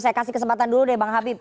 saya kasih kesempatan dulu deh bang habib